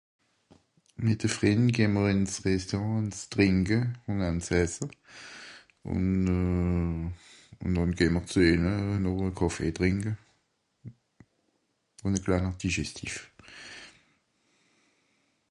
mìt de Frìnd gehm'r ins Restaurant eins trìnke un eins esse un euhh nun gehm'r zu ehnne no a Kàffee trìnke un a kleiner digestif